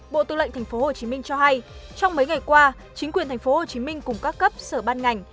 bộ tư lệnh tp hcm cho hay trong mấy ngày qua chính quyền tp hcm cùng các cấp sở ban ngành